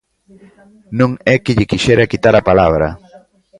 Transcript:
Non é que lle quixera quitar a palabra.